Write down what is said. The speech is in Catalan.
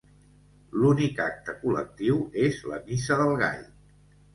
L'únic acte col·lectiu és la Missa del Gall.